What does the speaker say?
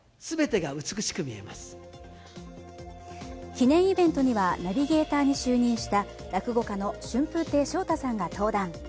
記念イベントには、ナビゲーターに就任した落語家の春風亭昇太さんが登壇。